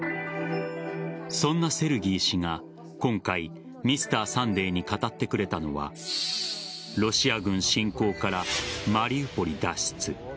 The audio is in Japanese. そんなセルギー氏が今回「Ｍｒ．サンデー」に語ってくれたのはロシア軍侵攻からマリウポリ脱出。